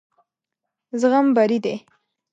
زغم بري دی.